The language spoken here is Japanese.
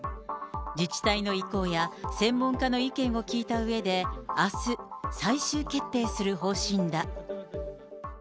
自治体の意向や、専門家の意見を聞いたうえで、あす、最終決定する方針だ。